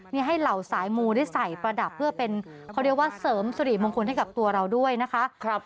นี่ให้เหล่าสายมูได้ใส่ประดับเพื่อเป็นเขาเรียกว่าเสริมสุริมงคลให้กับตัวเราด้วยนะคะ